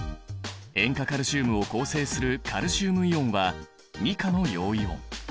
塩化カルシウムを構成するカルシウムイオンは２価の陽イオン。